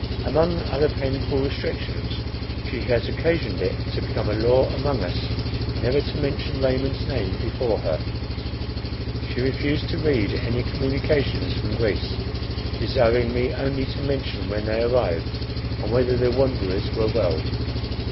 Among other painful restrictions, she has occasioned it to become a law among us, never to mention Raymond's name before her. She refused to read any communications from Greece, desiring me only to mention when any arrived, and whether the wanderers were well.